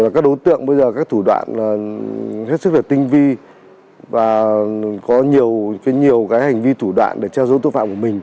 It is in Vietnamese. các đối tượng bây giờ các thủ đoạn hết sức tinh vi và có nhiều hành vi thủ đoạn để trao dấu tội phạm của mình